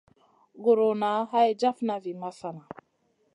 Guruna hay jafna vi masana.